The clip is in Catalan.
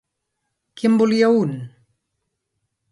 Qui en volia un?